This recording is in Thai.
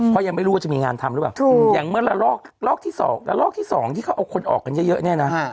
เพราะยังไม่รู้ว่าจะมีงานทำหรือเปล่าอย่างเมื่อละลอกที่๒ละลอกที่๒ที่เขาเอาคนออกกันเยอะเนี่ยนะ